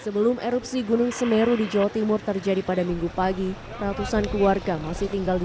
sebelum erupsi gunung semeru di jawa timur terjadi pada minggu pagi ratusan keluarga masih tinggal di